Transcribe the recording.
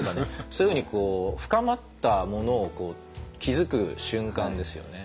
そういうふうに深まったものを気付く瞬間ですよね。